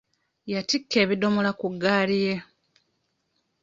Yattikka ebiddomola ku ggaali ye.